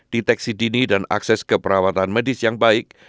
deteksi dini dan akses ke perawatan medis yang baik